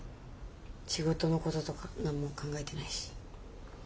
仕事のこととか何も考えてないし。